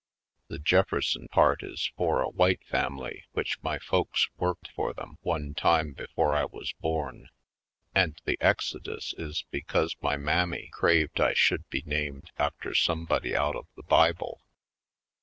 The Jefferson part is for a white family which my folks worked for them one time before I was born, and the Exodus is because my mammy craved I should be named after somebody out of the Bible.